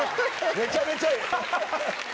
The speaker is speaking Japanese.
めちゃめちゃええ。